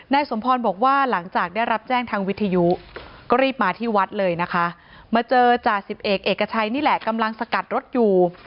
สมพรบอกว่าหลังจากได้รับแจ้งทางวิทยุก็รีบมาที่วัดเลยนะคะมาเจอจ่าสิบเอกเอกชัยนี่แหละกำลังสกัดรถอยู่